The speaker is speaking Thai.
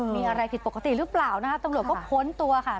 มีอะไรผิดปกติหรือเปล่านะคะตำรวจก็ค้นตัวค่ะ